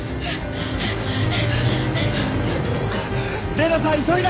・麗奈さん急いで！